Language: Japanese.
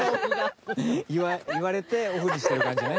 言われてオフにしてる感じね。